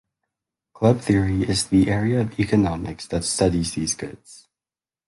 Club theory is the area of economics that studies these goods.